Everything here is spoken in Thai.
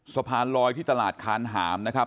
สะพานลอยที่ตลาดคานหามนะครับ